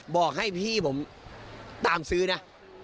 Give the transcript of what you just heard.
บอกให้พี่ผมตามซื้อนะ